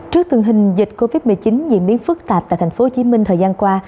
trước tình hình dịch covid một mươi chín diễn biến phức tạp tại tp hcm thời gian qua